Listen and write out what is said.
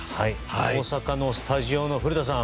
大阪のスタジオの古田さん。